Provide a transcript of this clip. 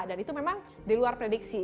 dan itu memang di luar prediksi